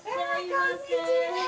こんにちは。